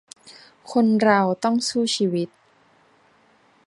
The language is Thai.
คนเราต้องสู้ชีวิต